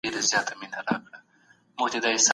مثبت چلند مو د ژوند د ټولو اړیکو د پیاوړتیا لامل کیږي.